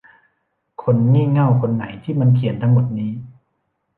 คนงี่เง่าคนไหนที่มันเขียนทั้งหมดนี้ ?